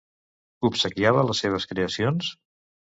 Obsequiava les seves creacions?